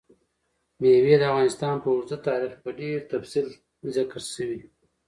مېوې د افغانستان په اوږده تاریخ کې په ډېر تفصیل ذکر شوي.